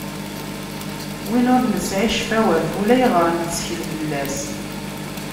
Win ur nesɛi ccfawat ulayɣer nettkel fell-as.